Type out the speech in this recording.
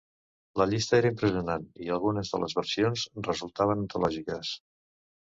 La llista era impressionant, i algunes de les versions resultaven antològiques.